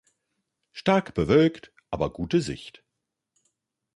Stark bewölkt, aber gute Sicht.